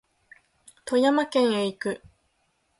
富山県へ行く